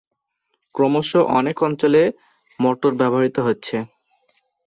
ক্রমশ অনেক অঞ্চলে মোটর ব্যবহৃত হচ্ছে।